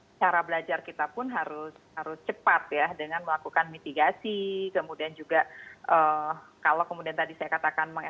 nah tentu saja cara belajar kita pun harus cepat ya dengan melakukan mitigasi kemudian juga kalo kemudian tadi saya katakan mengingatkan